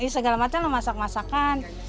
segala macam masak masakan